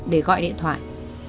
để gọi điện thoại